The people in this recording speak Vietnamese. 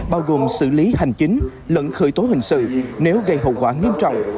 bao gồm xử lý hành chính lẫn khởi tố hình sự nếu gây hậu quả nghiêm trọng